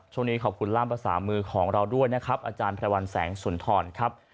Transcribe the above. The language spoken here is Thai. ช่วงนี้ขอบคุณล่ามภาษามือของเราด้วยนะครับอาจารย์พระวันแสงสุนทรครับ